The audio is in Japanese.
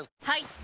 はい！